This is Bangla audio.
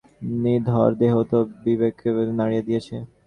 আর বালুর শয্যায় শিশু আয়লানের নিথর দেহ তো বিশ্ববিবেককে নাড়িয়ে দিয়েছে।